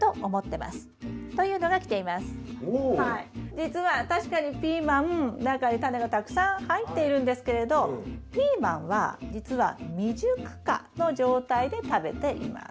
じつは確かにピーマン中にタネがたくさん入っているんですけれどピーマンはじつは未熟果の状態で食べています。